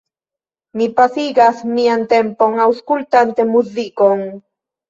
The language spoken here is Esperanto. Mi pasigas mian tempon aŭskultante muzikon.